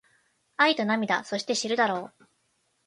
愛と涙そして知るだろう